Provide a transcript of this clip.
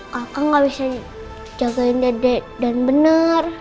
kakak gak bisa jagain dada dan bener